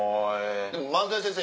でも漫才先生